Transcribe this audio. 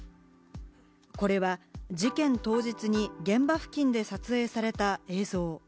これは事件当日に現場付近で撮影された映像。